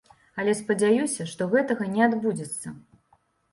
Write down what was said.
Але спадзяюся, што гэтага не адбудзецца.